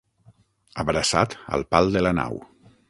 Abraçat al pal de la nau.